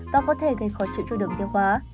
và có thể gây khó chịu cho đường tiêu hóa